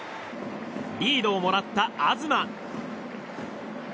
リードをもらった東。